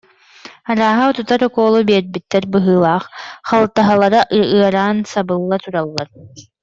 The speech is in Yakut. Арааһа, утутар укуолу биэрбиттэр быһыылаах, халтаһалара ыараан са- былла тураллар